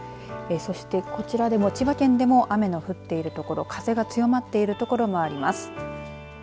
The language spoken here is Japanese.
そして、こちらでも、千葉県でも雨の降っている所風が強まっている所があります。